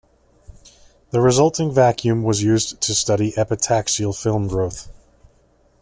The resulting vacuum was used to study epitaxial film growth.